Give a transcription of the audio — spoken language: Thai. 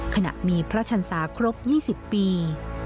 ขณะมีพระชันศาครบ๒๐ปี